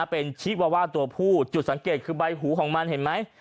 เป็นชีวาว่าตัวผู้จุดสังเกตคือใบหูของมันเห็นไหม